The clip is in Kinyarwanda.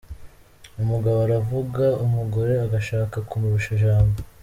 Umugabo aravuga, umugore agashaka kumurusha ijambo.